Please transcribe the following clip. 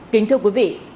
kính thưa quý vị